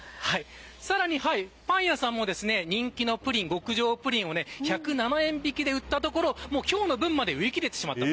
さらにパン屋さんも人気のプリン極上プリンを１０７円引きで売ったところ、今日の分まで売り切れてしまった。